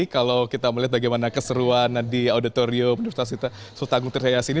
kalau kita melihat bagaimana keseruan di auditorium universitas sultan gutir hayas ini